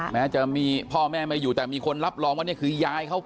แม้จะมีพ่อแม่ไม่อยู่แต่มีคนรับรองว่านี่คือยายเขา